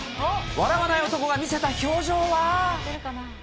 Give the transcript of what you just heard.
笑わない男が見せた表情は。